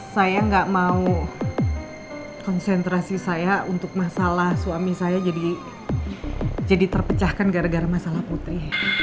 saya nggak mau konsentrasi saya untuk masalah suami saya jadi terpecahkan gara gara masalah putri